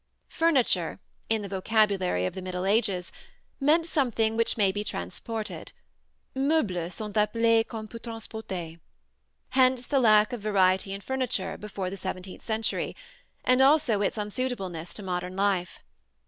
Furniture, in the vocabulary of the middle ages, meant something which may be transported: "Meubles sont apelez qu'on peut transporter"; hence the lack of variety in furniture before the seventeenth century, and also its unsuitableness to modern life.